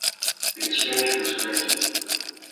The expansion was granted.